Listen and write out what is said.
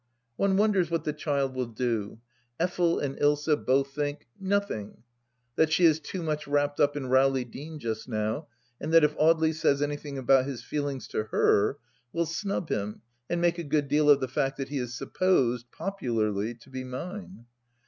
One wonders what the child will do. Effel and Ilsa both think. Nothing ! That she is too much wrapped up in Rowley Deane just now, and that if Audely says anything about his feelings to her, will snub him and make a good deal of the fact that he is supposed, popularly, to be mine.